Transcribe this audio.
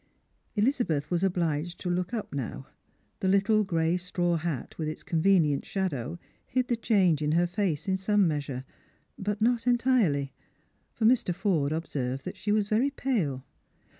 EUzabeth was obliged to look up now. The little gray straw hat with its convenient shadow hid the change in her face, in some measure; but not entirely, for Mr. Forde observed that she was very pale.